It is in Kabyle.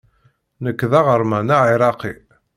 Nekk d aɣerman aɛiraqi.